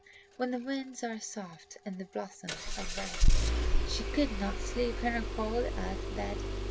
When the winds are soft and the blossoms are red She could not sleep in her cold earth bed.